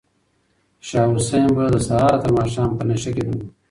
شاه حسین به له سهاره تر ماښامه په نشه کې ډوب و.